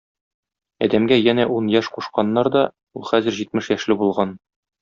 Адәмгә янә ун яшь кушканнар да, ул хәзер җитмеш яшьле булган.